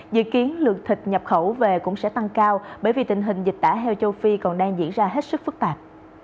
dự kiến lượng thịt nhập khẩu về cũng sẽ tăng cao bởi vì tình hình dịch tả heo châu phi còn đang diễn ra hết sức phức tạp